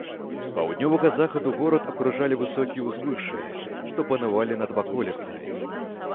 З паўднёвага захаду горад акружалі высокія ўзвышшы, што панавалі над ваколіцай.